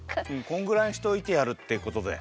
こんぐらいにしておいてやるってことで。